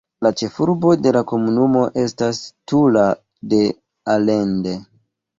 La ĉefurbo de la komunumo estas Tula de Allende.